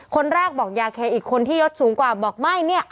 คนแรกบอกยาเคอีกคนที่ยดสูงกว่าบอกไม่เนี่ย